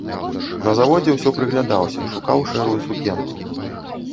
На заводзе ўсё прыглядаўся, шукаў шэрую сукенку.